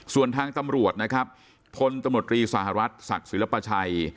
ส่วนทางตำรวจนะครับพลตำรวจรีสหรัฐศักดิ์ศิลปชัย